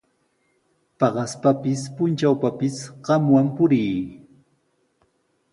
Paqaspapis, puntrawpapis qamwan purii.